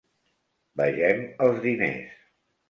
Vegem els diners.